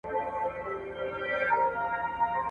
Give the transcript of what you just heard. ستا پور دي پر کارگه وي، د کارگه مرگى دي نه وي.